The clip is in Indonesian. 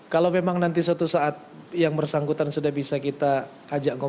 kalau memang nanti suatu saat yang bersangkutan sudah bisa kita ajak ngobrol ajak bercerita